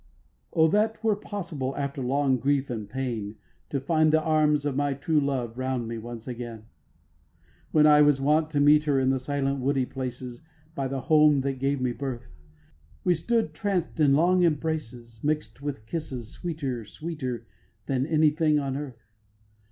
O that 'twere possible After long grief and pain To find the arms of my true love Round me once again! 2. When I was wont to meet her In the silent woody places By the home that gave me birth, We stood tranced in long embraces Mixt with kisses sweeter sweeter Than any thing on earth.